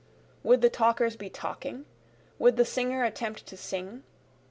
Would the talkers be talking? would the singer attempt to sing?